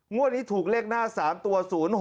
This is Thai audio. งวดนี้ถูกเลขหน้า๓ตัว๐๖